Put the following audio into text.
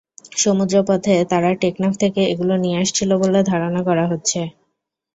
সমুদ্রপথে তারা টেকনাফ থেকে এগুলো নিয়ে আসছিল বলে ধারণা করা হচ্ছে।